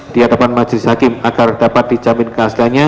di hadapan majlis hakim agar dapat dijamin keaslanya